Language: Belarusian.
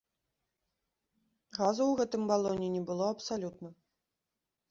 Газу ў гэтым балоне не было абсалютна.